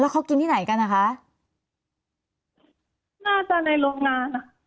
เขากินที่ไหนกันอ่ะคะน่าจะในโรงงานอ่ะ